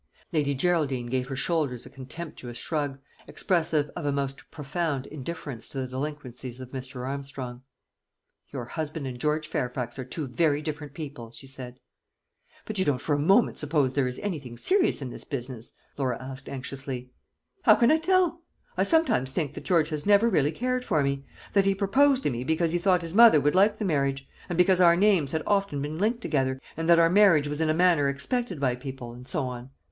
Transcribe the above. Lady Geraldine gave her shoulders a contemptuous shrug, expressive of a most profound indifference to the delinquencies of Mr. Armstrong. "Your husband and George Fairfax are two very different people," she said. "But you don't for a moment suppose there is anything serious in this business?" Laura asked anxiously. "How can I tell? I sometimes think that George has never really cared for me; that he proposed to me because he thought his mother would like the marriage, and because our names had often been linked together, and our marriage was in a manner expected by people, and so on.